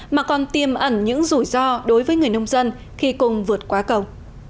mà còn tiêm ẩn những rủi ro đối với người nông dân khi cùng vượt quá cầu